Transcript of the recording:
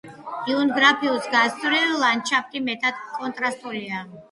იუნგფრაუს გასწვრივ ლანდშაფტი მეტად კონტრასტულია.